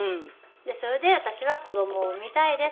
それで「私は子供を産みたいです。